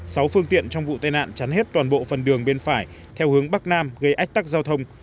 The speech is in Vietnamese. sáu phương tiện trong vụ tai nạn chắn hết toàn bộ phần đường bên phải theo hướng bắc nam gây ách tắc giao thông